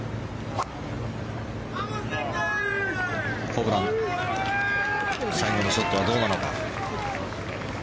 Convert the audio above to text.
ホブラン最後のショットはどうなのか。